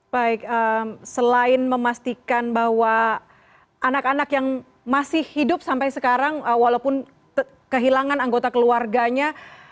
baik selain memastikan bahwa anak anak yang masih hidup sampai sekarang walaupun kehilangan anggota keluarganya